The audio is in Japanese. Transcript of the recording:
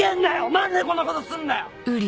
何でこんなことすんだよ！